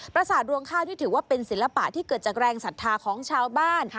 ประสาทรวงข้าวที่ถือว่าเป็นศิลปะที่เกิดจากแรงศรัทธาของชาวบ้าน